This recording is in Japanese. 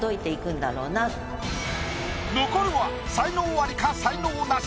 残るは才能アリか才能ナシ。